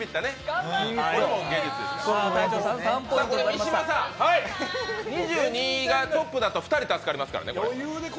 三島さん、２２がトップだと２人助かりますからね。